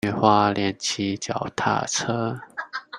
去花蓮騎腳踏車